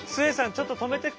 ちょっと止めて。